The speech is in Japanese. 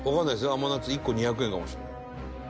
甘夏１個２００円かもしれない。